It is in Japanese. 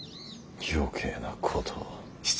余計なことを。